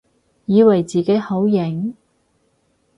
以為自己好型？